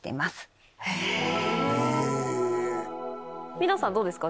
皆さんどうですか？